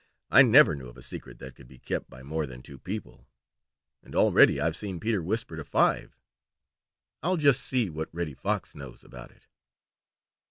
I never knew of a secret that could be kept by more than two people, and already I've seen Peter whisper to five. I'll just see what Reddy Fox knows about it."